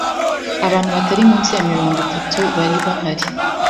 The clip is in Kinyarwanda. Abantu batari munsi ya mirongo itatu bari bahari.